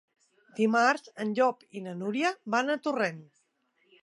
Dimarts en Llop i na Núria van a Torrent.